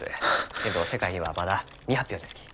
けんど世界にはまだ未発表ですき。